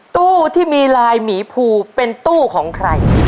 ตู้ที่มีลายหมีภูเป็นตู้ของใคร